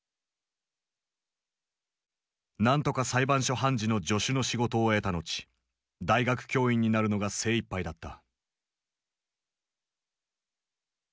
何とか裁判所判事の助手の仕事を得た後大学教員になるのが精いっぱいだった。